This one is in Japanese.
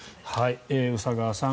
宇佐川さん